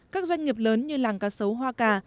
các doanh nghiệp lớn như làng cá sấu hoa cà